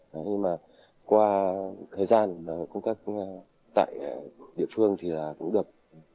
nhưng mà qua thời gian công tác tại địa phương thì cũng được